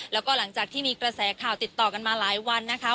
แล้วก็หลังจากที่มีกระแสข่าวติดต่อกันมาหลายวันนะคะ